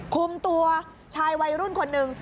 คุมตัวชายวัยรุ่นคนหนึ่ง